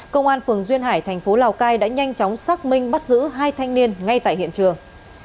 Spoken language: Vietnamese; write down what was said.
công an phường duyên hải thành phố lào cai đã nhanh chóng xác minh bắt giữ hai thanh niên ngay tại hiện trường